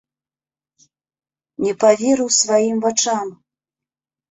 Не паверыў сваім вачам.